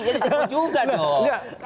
ini disitu juga dong